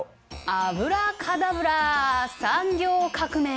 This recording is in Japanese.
アブラカダブラ産業革命